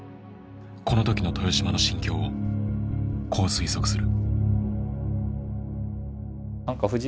この時の豊島の心境をこう推測する。